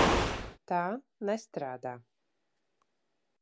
Tā nestrādā.